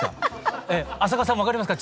朝夏さんも分かりますか？